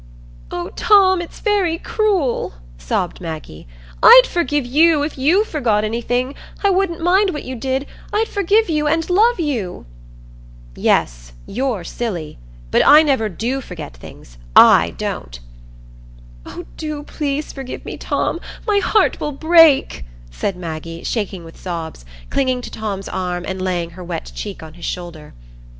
"Oh, Tom, it's very cruel," sobbed Maggie. "I'd forgive you, if you forgot anything—I wouldn't mind what you did—I'd forgive you and love you." "Yes, you're silly; but I never do forget things, I don't." "Oh, please forgive me, Tom; my heart will break," said Maggie, shaking with sobs, clinging to Tom's arm, and laying her wet cheek on his shoulder.